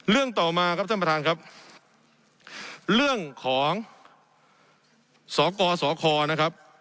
ต่อมาครับท่านประธานครับเรื่องของสกสคนะครับ